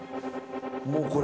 もうこれ。